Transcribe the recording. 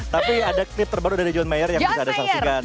tapi ada klip terbaru dari joan mayer yang bisa ada saksikan